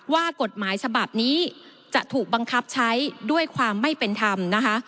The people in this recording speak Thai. ว่ากฎหมายฉบับนี้จะถูกบังคับใช้ด้วยความไม่เป็นธรรมนะคะ